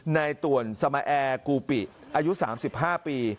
นายตัวนสมระแอกูบริอายุสามสิบห้าปี